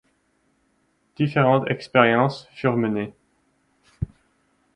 Différentes expériences furent menées.